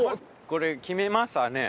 これ決めますわね。